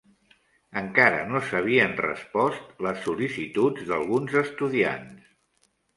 Encara no s'havien respost les sol·licituds d'alguns estudiants.